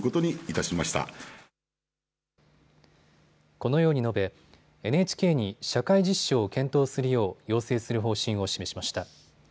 このように述べＮＨＫに社会実証を検討するよう要請する方針を示しました。